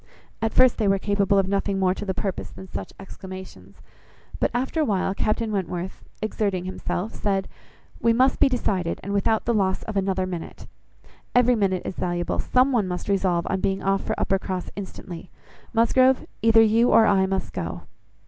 At first, they were capable of nothing more to the purpose than such exclamations; but, after a while, Captain Wentworth, exerting himself, said— "We must be decided, and without the loss of another minute. Every minute is valuable. Some one must resolve on being off for Uppercross instantly. Musgrove, either you or I must go."